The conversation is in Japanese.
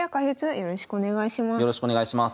よろしくお願いします。